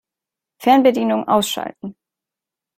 Fernbedienung ausschalten.